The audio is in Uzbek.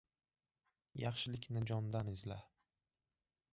— Yaxshilikni jondan izla.